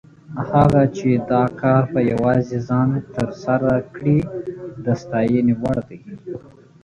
هغه چې دا کار په یوازې ځان تر سره کړی، د ستاینې وړ دی.